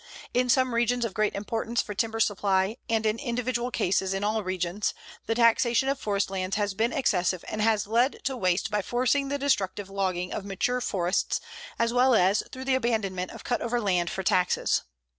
In some regions of great importance for timber supply, and in individual cases in all regions, the taxation of forest lands has been excessive and has led to waste by forcing the destructive logging of mature forests, as well as through the abandonment of cut over lands for taxes.